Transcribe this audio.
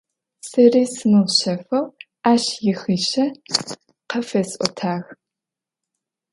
Сэри сымыушъэфэу ащ ихъишъэ къафэсӏотагъ.